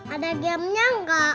ada gamenya enggak